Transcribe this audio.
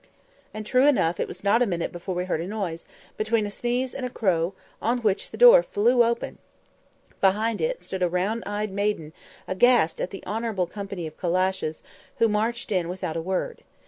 And, true enough it was not a minute before we heard a noise, between a sneeze and a crow; on which the door flew open. Behind it stood a round eyed maiden, all aghast at the honourable company of calashes, who marched in without a word.